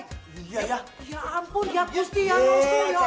ya ampun ya aku sendiri yang rusuh ya allah